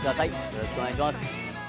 よろしくお願いします